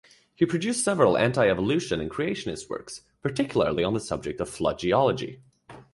He produced several anti-evolution and creationist works, particularly on the subject of flood geology.